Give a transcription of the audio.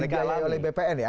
dan tanpa dibiayai oleh bpn ya